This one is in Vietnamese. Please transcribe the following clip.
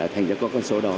thành ra con số đó